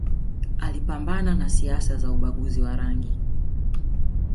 Alipambana na siasa za ubaguzi wa rangi